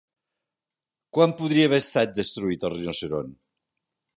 Quan podria haver estat destruït el rinoceront?